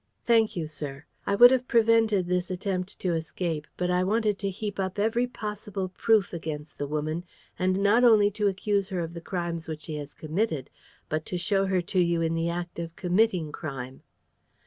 "Thank you, sir. I would have prevented this attempt to escape. But I wanted to heap up every possible proof against the woman and not only to accuse her of the crimes which she has committed, but to show her to you in the act of committing crime."